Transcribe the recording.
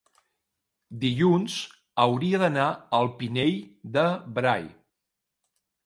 dilluns hauria d'anar al Pinell de Brai.